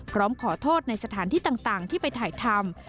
พร้อมขอโทษในสถานที่ต่างที่ไปถ่ายทำ